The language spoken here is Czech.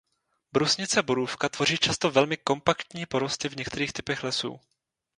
Brusnice borůvka tvoří často velmi kompaktní porosty v některých typech lesů.